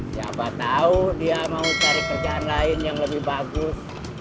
siapa tahu dia mau cari kerjaan lain yang lebih bagus